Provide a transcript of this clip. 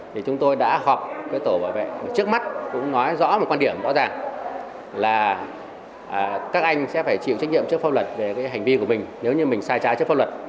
thì chúng tôi đã họp với tổ bảo vệ trước mắt cũng nói rõ một quan điểm rõ ràng là các anh sẽ phải chịu trách nhiệm trước pháp luật về hành vi của mình nếu như mình sai trái trước pháp luật